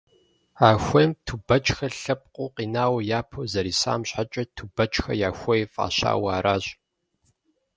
А хуейм Тубэчхэ лъэпкъыу къинауэ япэу зэрисам щхьэкӏэ, «Тубэчхэ я хуей» фӏащауэ аращ.